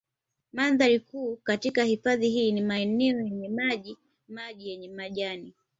Mandhari kuu katika hifadhi hii ni maeneo yenye maji maji yenye majani